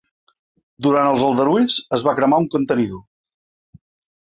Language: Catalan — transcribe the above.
Durant els aldarulls es va cremar un contenidor.